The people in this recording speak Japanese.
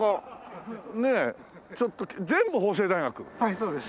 はいそうです。